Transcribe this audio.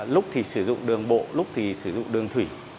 lúc thì sử dụng đường bộ lúc thì sử dụng đường thủy